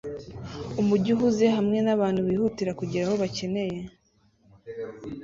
Umujyi uhuze hamwe nabantu bihutira kugera aho bakeneye